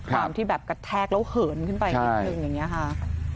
ความที่แบบกระแทกแล้วเหินขึ้นไปนิดนึงอย่างนี้ค่ะ